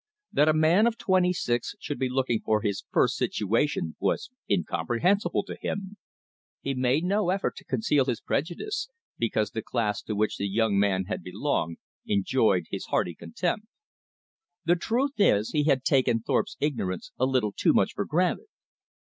That a man of twenty six should be looking for his first situation was incomprehensible to him. He made no effort to conceal his prejudice, because the class to which the young man had belonged enjoyed his hearty contempt. The truth is, he had taken Thorpe's ignorance a little too much for granted.